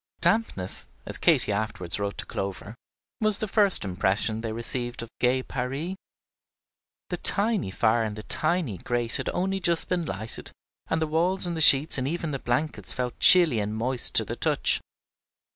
Dampness, as Katy afterward wrote to Clover, was the first impression they received of "gay Paris." The tiny fire in the tiny grate had only just been lighted, and the walls and the sheets and even the blankets felt chilly and moist to the touch.